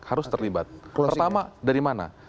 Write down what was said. harus terlibat pertama dari mana